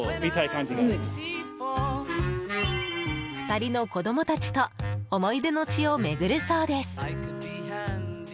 ２人の子供たちと思い出の地を巡るそうです。